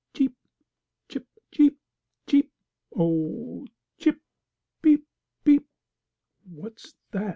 Cheep! Chip cheep cheep! Oh, cheep! Peep! Peep!" "What's that?"